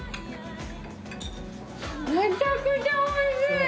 めちゃくちゃおいしい！